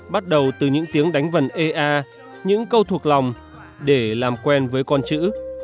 bắt đầu từ những tiếng đánh vần e a những câu thuộc lòng để làm quen với con chữ